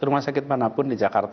rumah sakit manapun di jakarta